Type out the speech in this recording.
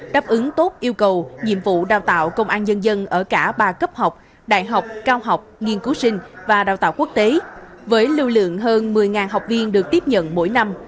đáp ứng tốt yêu cầu nhiệm vụ đào tạo công an nhân dân ở cả ba cấp học đại học cao học nghiên cứu sinh và đào tạo quốc tế với lưu lượng hơn một mươi học viên được tiếp nhận mỗi năm